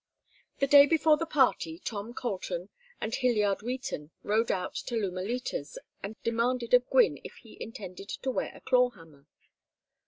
The day before the party Tom Colton and Hyliard Wheaton rode out to Lumalitas and demanded of Gwynne if he intended to wear a "claw hammer."